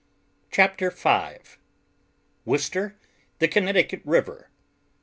CHAPTER V WORCESTER. THE CONNECTICUT RIVER.